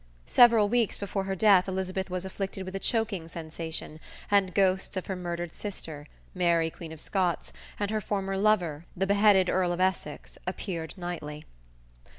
Several weeks before her death Elizabeth was afflicted with a choking sensation, and the ghosts of her murdered sister Mary, Queen of Scots, and her former lover, the beheaded Earl of Essex, appeared nightly.